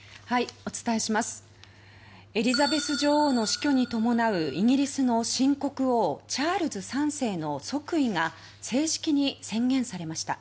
エリザベス女王の死去に伴うイギリスの新国王チャールズ３世の即位が正式に宣言されました。